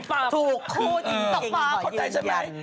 จบปับถูกคู่จริงจบปับอ๋อค่อยอย่าง